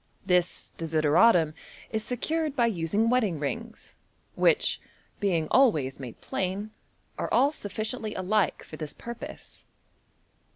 This desideratum is secured by using wedding rings, which, being always made plain, are all suf ficiently alike for this purpose.